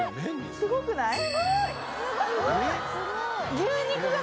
すごくない？